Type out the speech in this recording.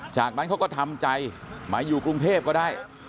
จากนั้นเขาก็ทำใจมาอยู่กรุงเทพก็ได้